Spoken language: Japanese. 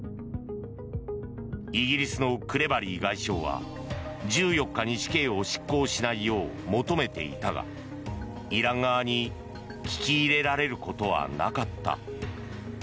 イギリスのクレバリー外相は１４日に死刑を執行しないよう求めていたがイラン側に聞き入れられることはなかった。